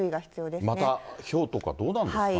またひょうとか、どうなんですかね。